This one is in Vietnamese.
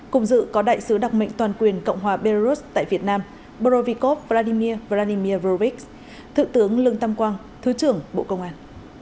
cùng dự có đại sứ đặc mệnh toàn quyền cộng hòa belarus tại việt nam brovikov vladimir vlodimirovich thượng tướng lương tâm quang thứ trưởng bộ công an